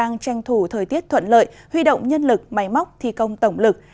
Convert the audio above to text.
giả lợi huy động nhân lực máy móc thi công tổng lực